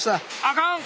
あかん！